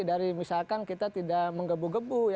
dari misalkan kita tidak menggebu gebu